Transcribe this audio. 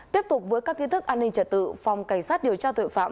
tiếp tục với các tin tức an ninh trật tự phòng cảnh sát điều tra tội phạm